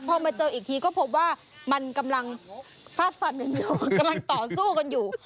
พอมาเจออีกทีก็พบว่ามันกำลังฟาดฟันกันอยู่กำลังต่อสู้กันอยู่